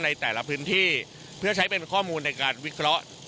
ในแต่ละพื้นที่เพื่อใช้เป็นข้อมูลในการวิเคราะห์